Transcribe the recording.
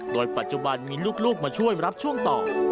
โดยปัจจุบันมีลูกมาช่วยรับช่วงต่อ